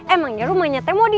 emangnya rumahnya teh mau di